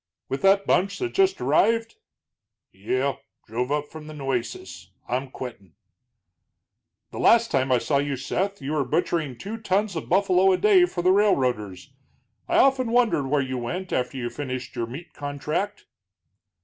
"With that bunch that just arrived?" "Yeh. Drove up from the Nueces. I'm quittin'." "The last time I saw you, Seth, you were butchering two tons of buffalo a day for the railroaders. I often wondered where you went after you finished your meat contract."